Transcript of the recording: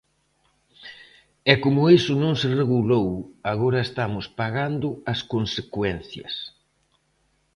E como iso non se regulou, agora estamos pagando as consecuencias.